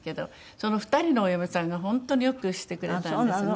その２人のお嫁さんが本当によくしてくれたんですね。